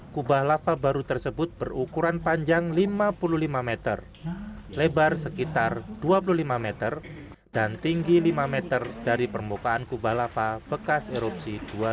kubah lava baru tersebut berukuran panjang lima puluh lima meter lebar sekitar dua puluh lima meter dan tinggi lima meter dari permukaan kubah lava bekas erupsi dua ribu